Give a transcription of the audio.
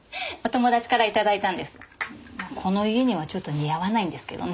この家にはちょっと似合わないんですけどね。